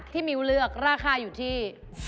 มิ้วเลือกราคาอยู่ที่